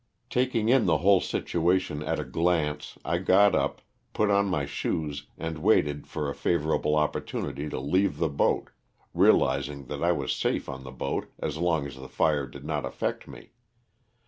Taking in the whole situation at a glance I got up, put on my shoes and waited for a favorable opportu nity to leave the boat, realizing that I was safe on the boat as long as the fire did not affect me.